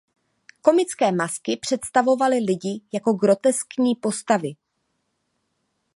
Komické masky představovaly lidi jako groteskní postavy.